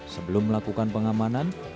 sebelum melakukan pengamanan